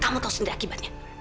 kamu tahu sendiri akibatnya